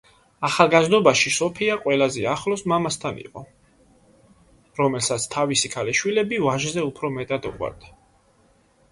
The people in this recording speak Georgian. ახალგაზრდობაში სოფია ყველაზე ახლოს მამასთან იყო, რომელსაც თავისი ქალიშვილები ვაჟებზე უფრო მეტად უყვარდა.